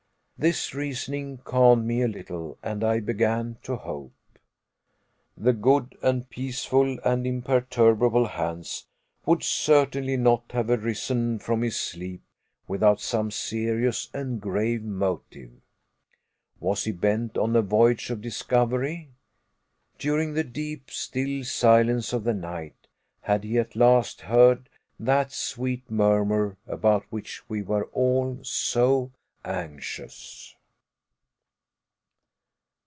This reasoning calmed me a little and I began to hope! The good, and peaceful, and imperturbable Hans would certainly not have arisen from his sleep without some serious and grave motive. Was he bent on a voyage of discovery? During the deep, still silence of the night had he at last heard that sweet murmur about which we were all so anxious?